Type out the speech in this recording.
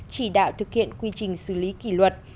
chỉ đạo thực hiện quy trình xử lý kỷ luật